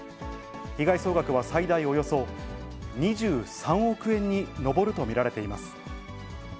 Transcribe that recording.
被害総額は最大およそ２３億円に上ると見られています。